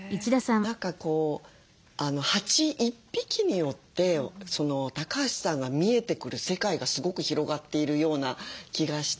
何かこう蜂１匹によって橋さんが見えてくる世界がすごく広がっているような気がして。